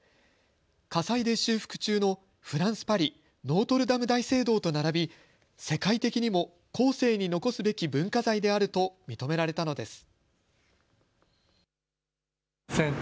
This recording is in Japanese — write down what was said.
火災で修復中のフランス・パリ、ノートルダム大聖堂と並び、世界的にも後世に残すべき文化財であると認められたのです。